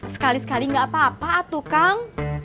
sekali sekali gak apa apa atu kang